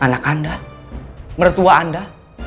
anak anda mertua anda